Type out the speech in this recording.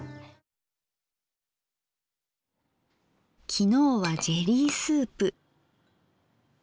昨日はジェリースープ。